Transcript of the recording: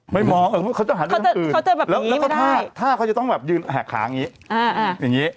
ไม่มองเขาจะหาด้วยตั้งคืนแล้วก็ถ้าเขาจะต้องแบบยืนหักขาอย่างนี้อย่างนี้